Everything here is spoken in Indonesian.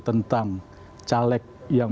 tentang caleg yang